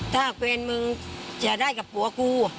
ถ้าแฟนมึงจะได้กับผัวกู